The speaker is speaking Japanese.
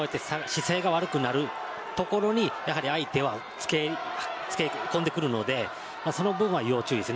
姿勢が悪くなるところに相手をつけ込んでくるのでその部分は要注意です。